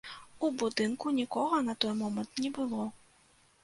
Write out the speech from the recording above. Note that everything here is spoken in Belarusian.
У будынку нікога на той момант не было.